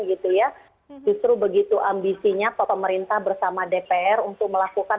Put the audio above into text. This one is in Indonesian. justru begitu ambisinya pemerintah bersama dpr untuk melakukan